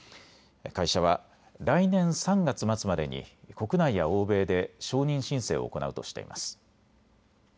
会社は来年３月末までに国内や欧米で承認申請を行うとしています。